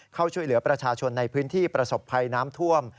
เข้าช่วยเหลือประชาชนในพื้นที่ประสบภัยน้ำท่วม